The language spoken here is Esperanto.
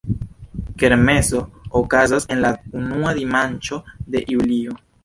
Kermeso okazas en la unua dimanĉo de julio.